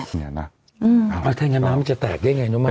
อื้อถ้างั้นน้ำมันจะแตกได้ไงน้องมันนะ